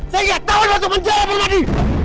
saya gak tahu teman teman saya permadi